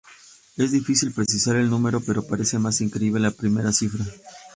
Es difícil precisar el número, pero parece más creíble la primera cifra.